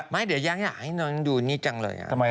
ไม่เดี๋ยวยังอยากให้นอนดูนี่จังเลยอ่ะทำไมฮะ